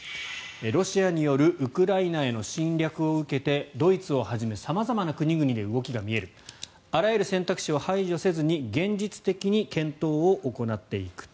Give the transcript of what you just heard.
ロシアによるウクライナへの侵略を受けてドイツをはじめ様々な国々で動きが見えるあらゆる選択肢を排除せずに現実的に検討を行っていく。